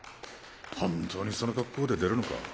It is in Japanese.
本当にその格好で出るのか？